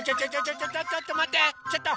ちょっとまってちょっと！